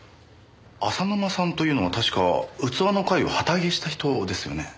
浅沼さんというのは確か器の会を旗揚げした人ですよね。